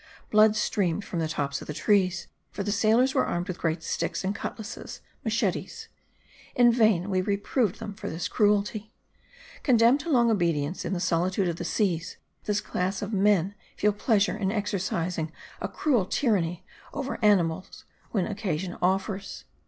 Blood streamed from the tops of the trees, for the sailors were armed with great sticks and cutlasses (machetes). In vain we reproved them for this cruelty. Condemned to long obedience in the solitude of the seas, this class of men feel pleasure in exercising a cruel tyranny over animals when occasion offers.